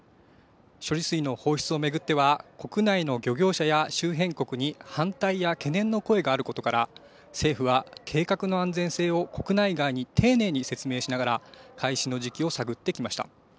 処理水の放出を巡っては、国内の漁業者や周辺国に反対や懸念の声があることから、政府は計画の安全性を国内外に丁寧に説明しながら開始の時期を探ってきました。